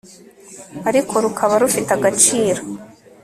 ariko rukaba rufite agaciro